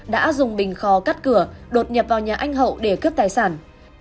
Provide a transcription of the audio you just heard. đã dùng bình khò cắt cửa đột nhập vào nhà anh hậu để cướp tài sản